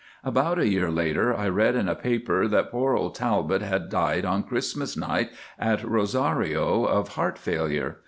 About a year later I read in a paper that poor old Talbot had died on Christmas night at Rosario of heart failure.